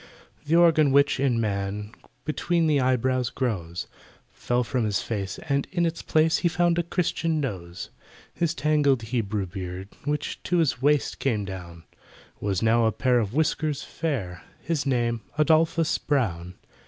The organ which, in man, Between the eyebrows grows, Fell from his face, and in its place He found a Christian nose. His tangled Hebrew beard, Which to his waist came down, Was now a pair of whiskers fair— His name ADOLPHUS BROWN!